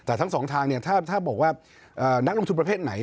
แต่ทั้งสองทางเนี่ยถ้าบอกว่านักลงทุนประเภทไหน